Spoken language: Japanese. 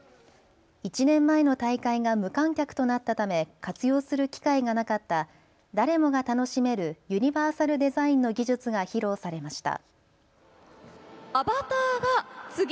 １年前の大会が無観客となったため活用する機会がなかった誰もが楽しめるユニバーサルデザインの技術が披露されました。